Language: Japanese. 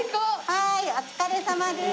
はいお疲れさまです。